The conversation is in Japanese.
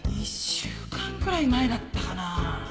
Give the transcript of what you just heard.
１週間くらい前だったかな。